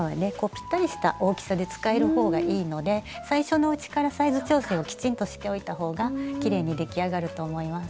ぴったりした大きさで使える方がいいので最初のうちからサイズ調整をきちんとしておいた方がきれいに出来上がると思います。